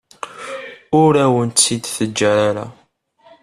Ur awen-tt-id-teǧǧa ara.